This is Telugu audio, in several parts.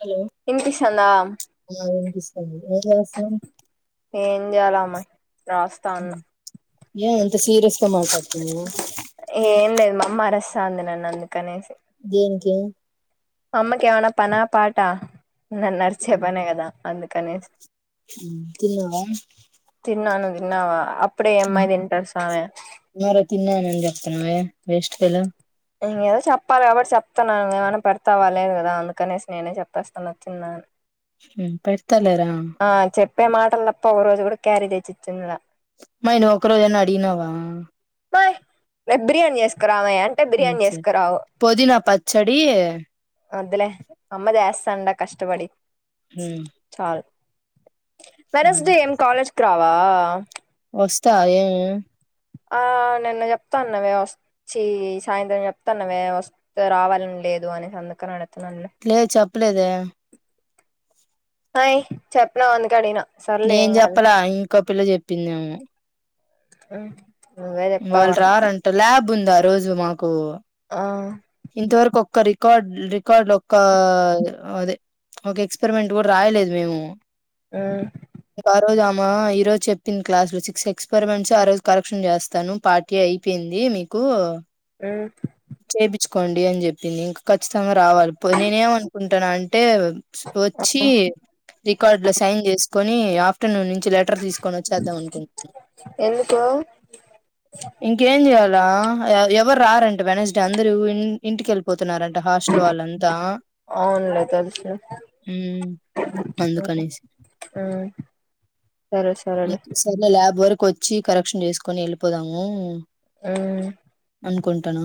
హలో వినిపిస్తుందా ఉ వినిపిస్తాంది హలో శామ్ ఏం చేయాల అమ్మాయి రాస్తా ఉన్నా ఏం అంత సీరియస్ గా మాట్లాడ్ ఉ ఏం లేదు మా అమ్మ అరస్ తాంది నన్ను అందుకనేసి దేనికి అమ్మకి ఎవనా పనా పాటా నన్ను అరిచే పనే కదా అందుకనేస్ తిన్నావా ఉన్నావ అప్ ఆ మరి తిన్నానని చెప్తున్నా వేస్ట్ ఫెలో ఇంక ఏదో చెప్పాలి కాబట్టి చెప్తన్నా నువ్ ఏమైనా పెడతావ లేదు కదా అందుకనేస్ నేనే చెప్పేస్తాన్న తిన్నా అని. హుమ్ పెడ్ తలేరా ప్పే మాటల్ తప్ప ఓరోజు కూడ క్యారీ తెచ్చిచ్చిందిలా మరి నువ్ ఒక్కరోజన్న అడిగినావా బ్బ రేప్ బిర్యానీ చేసక రావయ అంటే బిర్యానీ సరే చేస్కరావు పొదినా పచ్చడి వద్దులె అమ్మ చేస్తాండ కష్టపడి ఉమ్, చాల్ మరి వెనస్డే ఏం కాలేజ్ రావా ఒస్తా ఏమి ఆ నిన్న చెప్తాన్నవే ఒచ్చి సాయంత్రం చెప్తాన్నవే ఒస్తే రావాలని లేదు అనేసి అందుకని అడ తున్నాన్లే ప్పులేదే హయ్ చెప్పినావ్ అందుకే అడిగిన సర్లే నేను ఏం కాదు చెప్పలా ఇంకో పిల్ల చెప్పిందేమో అ వాళ్ రారంట ల్యాబ్ ఉందారోజు మాకు ఆ ఇంతవరకు ఒక్క రికార్డ్ రికార్డ్ లొక్క అదే ఒక ఎక్స్పెరిమెంట్ కూడ రాయలేదు మేము ఆహ్ ఆ రోజు అమ ఈ రోజు చెప్పింది. క్లాస్ లో సిక్స్త్ ఎక్స్పెరిమెంట్స్ ఆ రోజు కరెక్షన్ చేస్తాను పార్టీ అయిపోయింది. మీకు అహ్ కొండి అని చెప్పింది. ఇంక ఖచ్చితంగా రావాలి పో నేనేమనుకుంటన్న అంట్ టే ఒచ్చి రికాడ్లో సైన్ చేస్ కొని ఆఫ్టర్నూన్ నుం చ్చి లెటర్ తీసుకొచ్చేద్దాం. అనుకుంటున్న ఎందుకు ఇంకేం చేయాలి మ రా ఎవరు రారంటే వెనస్డే అందరు ఇంటికెళ్ళిపోత్ తున్నారంట హాస్టల్ వాళ్ళంతా అవునులే తెలుసులే ఉహ్మ్ అందుకనేసి ఆహ్ సరే సరేలే నెక్స్ట్ సారి ల్యాబ్ వరకు ఒచ్చి కరెక్షన్ చేసుకొని ఎళ్ళిపోదాము. అహ్ అనుకుంటనా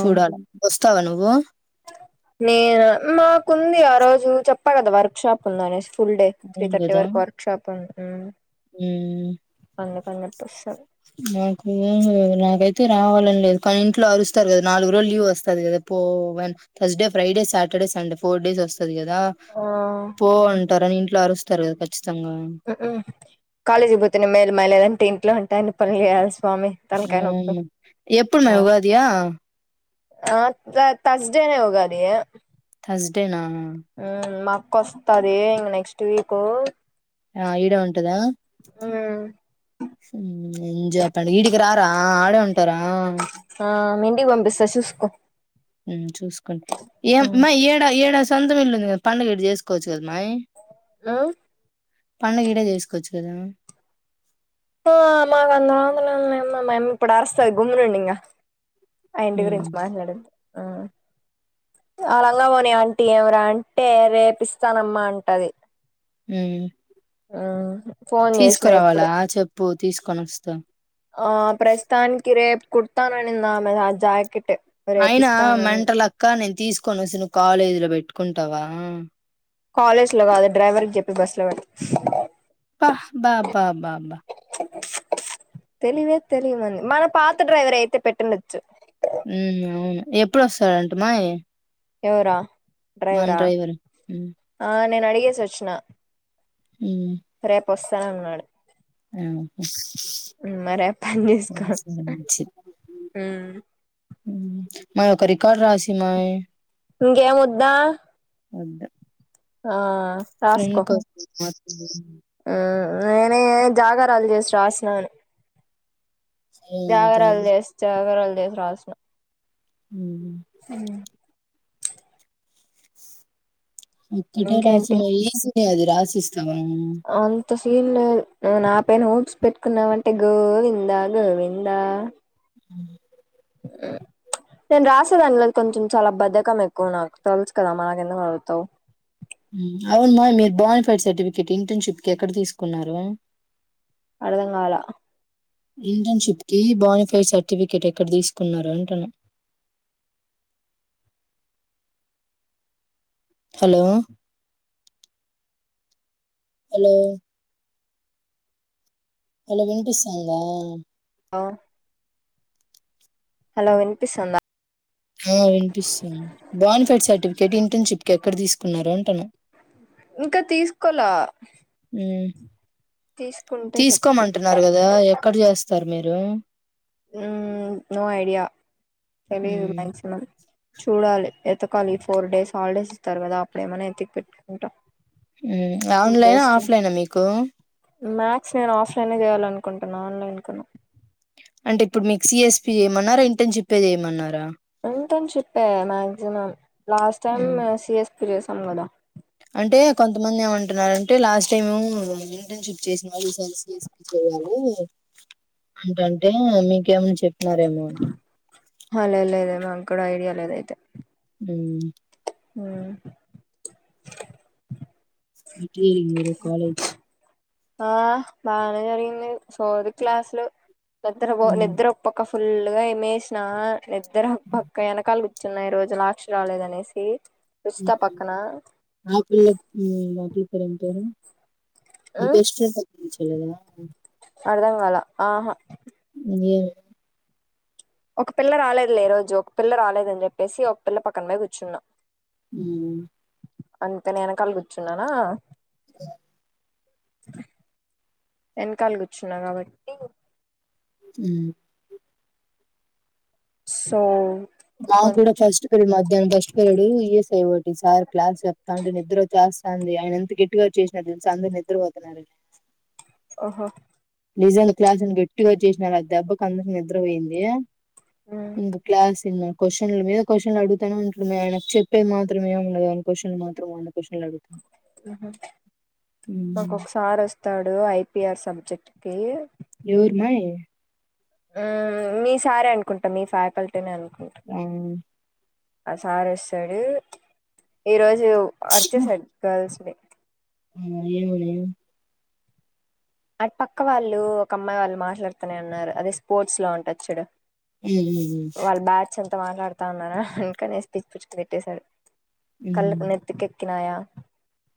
చూడాల వత్తవ నువ్వు నేను మాకుంది. ఆ రోజు చెప్ ప్పగద వర్క్ షాపుందనేస్ ఫుల్ డే త్రీ అవును తర్టీ వరకు వర్క్ షాప్ ఉంద్. ఉహ్ ఉహ్మ్ నాకు నాకైతే రావాలని లేదు. కానీ ఇంట్లో అరుస్తారు కదా నాలుగు రోజులు లీవ్ వస్తది. దా పో one Thursday, Friday, Saturday, Sunday four days వోస్త్ తది కదా ఆ పో అంట్ టరనిం ట్లరుస్తరు గద కచ్చితంగ్ ఉహ్ హు కాలేజి పోతేనే మేల్ మైలేదంత తి ఇంట్లా ఉంటాయిన్ని పనులు చేయల్సి ఉహ్మ ఎప్పుడు మ ఉగాది ఆహ్ ఆ థా థర్స్డేనే ఉగది థర్స్డేనా కొస్తది ఇంగ్ నెక్స్ట్ వీక్ ఆ ఇడే ఉంటదా మ్మ్ సీ ఎంజాయ్ పండ్ ఇడికి రారా ఆడే ఉం టారా ఆ మీ ఇంటికి పంపిస్తా చుసుకో చూసుకోండి ఏ మ మ్మ్ ఏడా ఏడా సొంతం ఇల్ళ పండడుగ ఇట్టు చేసుకోవచ్చు కదమ్మా హ్మ పండగీడ చేసుకోవచ్చు కదా మాకు అందంద మ ఇప్పుడు అస్తారు గుమ్మునుండు ఇకా ఆయంటి ఉమ్ గురించి మాట్లాడండి ఆ ఆ రంగ పోని అంటీ ఏమిరా అంటే రేపిస్తానమ్మా అంటది మ్మ్ ఆ తీసుకురావాలా చెప్పు తీసుకొని వస్తాం ఆ ప్రస్థాన్ కిరే కుడుతానని ఆమె ఆ జాకెట్ అయినా రేపిస్తానని మంట లక్క నేను తీసుకు కొనేసి కాలేజీ లో పెట్టుకుంటావా కాలేజ్ లో కాదు డ్రైవర్ కి చెప్పి బస్ లో పెడతా బహ్ బా బా బా బ తెలివే తెలివంది మన పాత డ్రైవర్ అయితే పెట్టండచ్చు ప్రసారంట మాయ ఎవరా వన్ డ్రైవరా డ్రైవర్ ఆ నేను అడిగేసి వచ్చిన రే వస్తాన ఉన్నాడు అ మరి పని చేసుకో మ్మ్ మై ఒక రికార్డు రాసి ఇయ్యి మయి ఇం గేముద్దా వొద్దు ఆ రాస్కో మ్మ్ మే జాగారలు చేసి రా్రాసినను ఏం అంత జాగర అల్ ఎస్ జగరల్ ే రాసిన ఉమ్ మ్మ్ ఒక్కటే రాస ఇంకేంటి మ అది రాశిస్ అంత సీన్ లేద్ నేనా పైన హోప్స్ పెట్టుకున్నావంటే గోవింద గోవిందా మ్మ్ నేను రాసేదానిలో కొంచెం చాలా బధకం ఎక్కువ నాకు తెలుసు కదా మనకెందుకు అరుత్తావ్ మ్మ్ అవునుమా మీరు బాన్ ఫైడ్ సర్టిఫికేట్ ఇంటర్న్షిప్ కి ఎక్కడ తీసుకున్నారు అర్ధంగాల ఇంటర్న్షిప్కి బానిఫై సర్టిఫికేట్ ఎక్కడ తీసుకున్నారు అంటన్న హలో హలో హలో వినిపిస్తాంద ఆ హలో వినిపిస్తుందా ఆ వినిపిస్తుం బాని ఫైడ్ సర్టిఫికెట్ ఇంటర్న్షిప్ కి ఎక్కడ తీసుకున్నారు అంటున్న ఇంకా తీసుకోలా హు తీసుకుంటే చెప్తా తీస్కోమంటున్నారు కదా ఎక్కడ చేస్తారు మీర్ రా మ్మ్ నో ఐడియా తెలీదు ఉమ్, మాక్సిమం చూడాలి ఎతకాలి ఈ ఫోర్ డేస్ హాలిడేస్ తర్వాత అప్పుడేమనా ఎతికి పెట్టుకుంటా హూ ఆన్లైనా ఆఫ్లైనా మీకు మ్యాక్స్ నేను ఆఫ్లైన్ చేయాలనుకుంటున్నా ఆన్లైన్ కన్నా అంటే ఇప్పుడు మీకు సిఎస్పి ఏమన్నారేం టెన్షిప్ ఏ చెయ్ మన్నారా ఇంటర్న్షిప్ ఏ మాక్సిమమ్ లాస్ట్ టైం ఉమ్. సిఎస్ పుడు చేసంగద అంటే కొంతమంది ఏమంటున్నారంటే లాస్ట్ టైమూ ఇంటర్న్షిప్ చేసిన వాళ్ళు [unintelligible] అంటంటే మీకేమని చెప్ నరేమోన్ హ లేదు లేదు మాకూడ ఐడియా లేదైతే హూమ్ హూ జిటియే ఇంజీరా కాలేజ్ ఆహ్ బానె జరిగింది సోది క్లాస్లు నిద్ర పో ఉమ్ నిద్ర ఒక పక్కఫ్ ఫుల్గా ఇమేస్నా నిద్దరొక్పక్క ఎనకాలు చిన్న ఈరోజు లాక్షి రాలేదనేసి రుచిత పక్కన ఆ పిల్ల పేరేం పేరు నీ ఉమ్, బెస్ట్ ఫ్రెండ్ ఎవర్ [unintelligible] అర్ధంగాల ఆహా [unintelligible] ఒక పిల్ల రాలేదు లే ఈరోజు ఒక పిల్ల రాలేదని చెప్పేసి ఒక పిల్ల పక్కన పోయి కూర్చున్నా హూమ్ అంతే నే ఎనకలా కూర్చున్నానా [inaudible] వెనకాల కూర్చున్నా కాబట్టి హూ సో మా కొంచెం కూడా ఫస్ట్ పీరియడ్ మధ్యాహ్నం ఫస్ట్ పీరియడ్ ఈఎస్ఐ ఒకటి సార్ క్లాస్ చెప్పుతాంటే నిద్ర వచ్చేస్తా అంది ఆయన ఎంత గట్టిగా అరిచినారు తెలుసా అందరు నిద్రపోతున్నారు ఓహో నిజన్ క్లాస్ గట్టిగా అరిచేసినారు ఆ దెబ్బకు అందరికి నిద్ర పోయింది ఉమ్ ఇంగ క్లాస్ తిన్న క్వశ్చన్ల మీద క్వశ్చన్లు అడుగుతనే ఉంటడు మీ అయన చెప్పేది మాత్రమే ఏమి ఉండదు క్వశ్చన్లు మాత్రం వంద క్వశ్చన్లు అడుతడు మాకు ఒక సార్ వస్తాడు ఐపిఆర్ సబ్జెక్ట్ కి ఎవరు మయి ఆ మీ సారే అనుకుంటా మీ ఫ్యాకల్టీనే అనుకుంట ఆ ఆ సారు వస్తాడు ఈరోజు యో అరిచేశాడు గర్ల్స్ నీ ఆ ఏమోనే అటు పక్క వాళ్ళు ఒక అమ్మాయి వాళ్ళు మాట్లాడుతూనే అన్నారు అదే స్పోర్ట్స్ లో ఉంటది చూడు హ్ హు ఇగ మాట్లాడుతా అన్నార ఇంకానేేసి పిచ్చి పిచ్చిగా తిట్టేశారు ఉమ్ కళ్లు నెత్తి కేక్ ఎక్కినాయా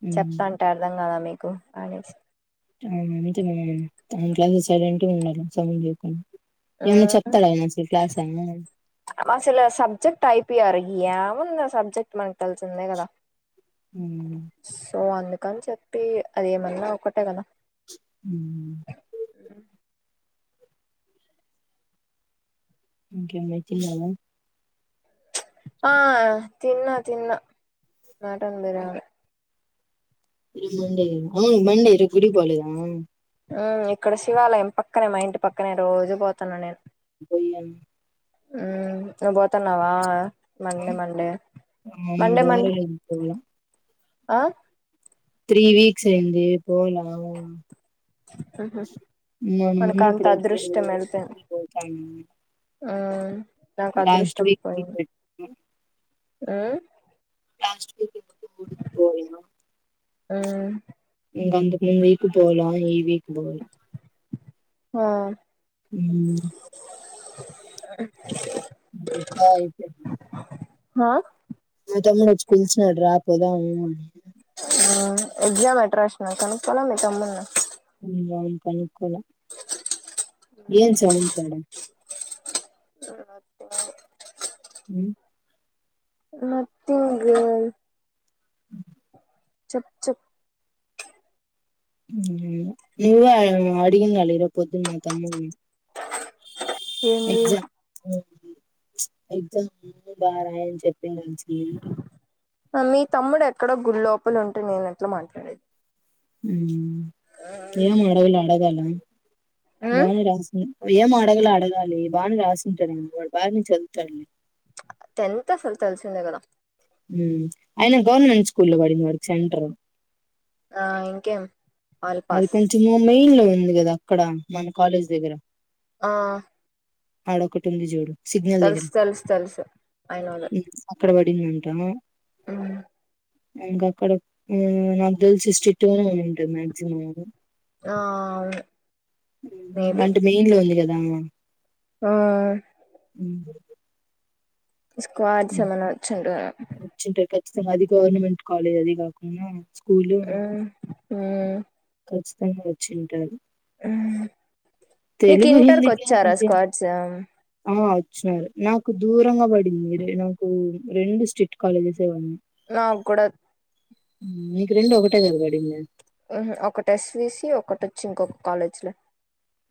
ఉమ్ ఉమ్ చెప్తంటే అర్ధం కాదా మీకు అనేసి వు అంతే క్లాస్ సైలెంట్ ఉండాలి సౌండ్ చేయకుండా ఏమైన్నా ఉమ్ చెప్తాడ ఆయన అసలు క్లాస్ ఏమ ఆమే అసలు సబ్జెక్ట్ అయిపోయారు ఎమ్ వుందో సబ్జెక్ట్ మనకి తెలిసిందే కదా ఉమ్ సో అందుకే కాని చెప్పి అది ఏమన్నా ఒక్కటే కదా హుం ఇంకా ఏమి తిన్నావా ఆ తిన్న తిన్న మటన్ బిర్యానీ ఈ రోజు మండే అవును మండే ఈ రోజు గుడికి పోలేదా ఆ ఇక్కడ శివాలయం పక్కనే మా ఇంటి పక్కనే రోజు పోతున్నా నేను బోయ్యం ఆ నువ్వు పోతన్నావా ఆ మండే మండే ఆ! మండే మూడు మండే వారాలు అయింది పోలా ఆ త్రీ వీక్స్ అయింది పోలె ఉహు మరి మొన్న మనకు అంత ఎప్పుడే అదృష్టం పోతండు ఆ లాస్ట్ వీక్ కి ఉం పోలేను ఉం ఇంకా అంతకూ ఈ వీక్ పోల ఈ వీక్ పోల ఆ ఉం ఆ [inaudible] గట్టా అయిపోయింది హా మా తమ్ముడు వచ్చి పిలిచినాడు రాపోదాముని ఎగజామ్ ఎట్రాస్ కనుక్ కోల మీ తమ్ముణ్ణి [unintelligible] ఏం సౌం సడం [inaudible] ఉం నథింగ్ చెప్ చెప్ నువ్వే అడిగియాలా రేపు పొద్దున మా తమ్ము ఏంది ఎగ్జా ఎగ్జామ్స్ అన్ని బాగా రాయని చెప్ప పేరెంట్స్ కి మీ తమ్ముడు ఎక్కడో గుళ్ లోపల ఉంటే నేనుట్లా మాట్లాడేది ఉం ఏం ఆడగలా ఆడగాల భవని రాససే ఏం అడగలు అడగాలి బాగానే రాసింటాడు వాడు బాగాని చదువుతాడు టెన్త్ అసలు తెలిసిందే కదా అయిన గవర్నమెంట్ స్కూల్లో పడింది వాడికి సెంటర్ ఆ ఇంకేం ఆల్ అది పాస్ కాల్చు మమ్మి కదా అక్కడ మన కాలేజ్ దగ్గర ఆ ఆడకోటుంది చూడు సిగ్నల్ దగ్గర తెలుసు తెలుసు తెలుసు అయిన వాళ్ళ మేమ్ ఉంటాం. అ ఇంకా అక్కడ హ్మ్ నాక్ తెలిసి సిస్టిట్టు గానే ఉంటాంది. మ్యామ్ తినదు. ఆ వును అంటే మెయిన్ లో ఉంది కదా అ ఆ అ స్కోడ్సు ఏమైనా వచ్చిర్రా వచ్చింటారు ఖచ్చితంగా అది గవర్నమెంట్ కాలేజ్ అది కాకుండా స్కూల్ ఆ హ్మ్ కచ్చితంగా వచ్చింటారు. నీకు తెలుగు, ఇంటర్కి హిందీ క్యా వచ్చారా బోల్తే స్క్వాడ్స్ అ వచ్చారు. నాకు దూరంగా పడింది. నాకు రెండు స్ట్రీట్ కాలేజెస్ ఉన్నాయి నాకు కూడా మీకు రెండు ఒకటే కనాబడిందా ఒకటి ఎస్విసి ఒకటోచ్చి ఇంకొక కాలేజ్ లో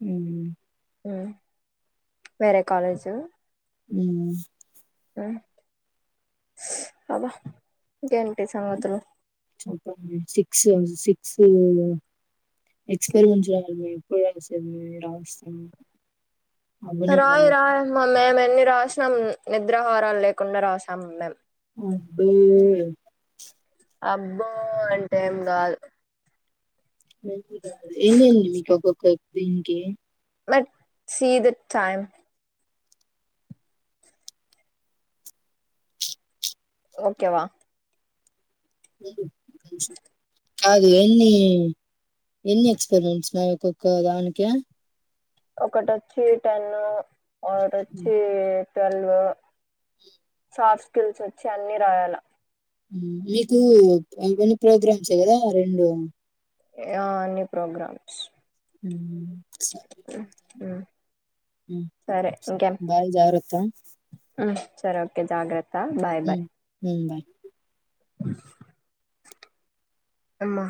ఉమ్ వేరే కాలేజ్ ఆ ఉమ్ అబ్బా ఇంకేంటి సంగతులు సిక్స్ సిక్స్ ఎక్స్పరిమెన్స్చెయ్యాలి పోయిన సేమ్ వి రాస్తాము. రాయి రాయమ్మా మేము ఎన్ని రాశాం నిద్రాహరాలు లేకుండా రాసాము మేం అబ్బే అబ్బో అంటేం కాదు ఏందండి. మీకు ఒక్కక్క దీనికి బట్ సీ దిట్ టైమ్ ఓకేవా అ [inaudible] అంచు కాదు ఎన్ని ఎన్ని ఎక్స్పరిమెంట్స్ ఒక్కొక్క దానికే ఒకటోచ్చి టెన్ను ఒకటోచ్చి ట్వెల్వ్ సాఫ్ట్ స్కిల్స్ వోచ్చి అన్ని రాయాల ఉమ్ మీకు ఇవ్వని ప్రోగ్రామ్సే కదా రెండు ఆ అన్ని ప్రోగ్రామ్స్ ఉ ఉ సరే ఇంకేం బాయ్ జాగ్రత్త సరే ఓకే జాగ్రత్ ఉమ్ ఉమ్ బాయ్ అమ్మ